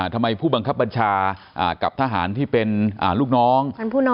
ผู้บังคับบัญชากับทหารที่เป็นลูกน้อง